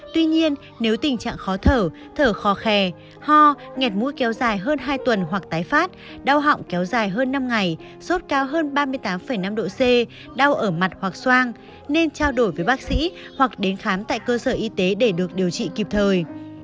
tuy nhiên nếu tình trạng khó thở thở khò khè hoẹt mũi kéo dài hơn hai tuần hoặc tái phát đau họng kéo dài hơn năm ngày sốt cao hơn ba mươi tám năm độ c đau ở mặt hoặc soang nên trao đổi với bác sĩ hoặc đến khám tại cơ sở y tế để được điều trị kịp thời